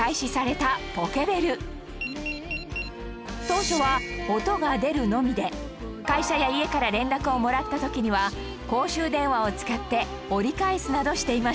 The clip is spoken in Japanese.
当初は音が出るのみで会社や家から連絡をもらった時には公衆電話を使って折り返すなどしていました